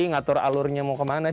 ngatur alurnya mau kemana